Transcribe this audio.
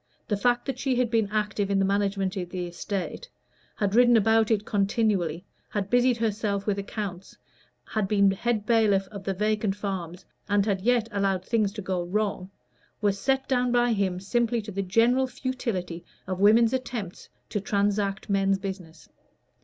The fact that she had been active in the management of the estate had ridden about it continually, had busied herself with accounts, had been head bailiff of the vacant farms, and had yet allowed things to go wrong was set down by him simply to the general futility of women's attempts to transact men's business.